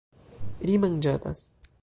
Ri manĝadas.